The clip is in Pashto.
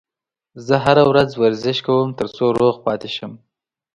زه هره ورځ ورزش کوم ترڅو روغ پاتې شم